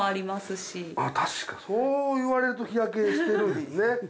確かにそう言われると日焼けしてるんですね。